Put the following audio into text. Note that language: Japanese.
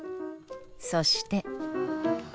そして。